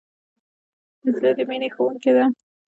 نجلۍ د مینې ښوونکې ده.